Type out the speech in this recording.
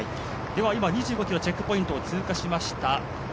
今、２５ｋｍ、チェックポイントを通過しました。